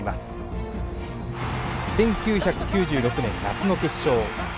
１９９６年夏の決勝。